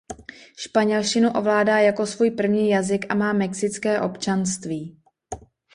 Španělštinu ovládá jako svůj první jazyk a má mexické občanství.